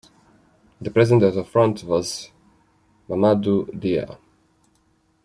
The president of the front was Mamadou Dia.